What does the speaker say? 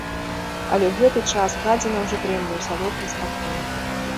Але ў гэты час гадзіна ўжо дрэмле ў салодкім спакоі.